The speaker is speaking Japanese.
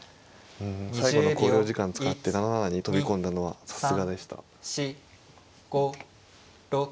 最後の考慮時間使って７七に飛び込んだのはさすがでした。